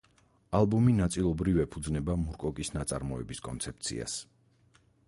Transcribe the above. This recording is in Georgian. ალბომი ნაწილობრივ ეფუძნება მურკოკის ნაწარმოების კონცეფციას.